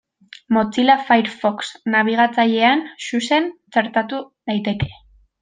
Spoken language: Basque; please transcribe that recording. Mozilla Firefox nabigatzailean Xuxen txertatu daiteke.